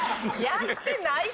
やってないって！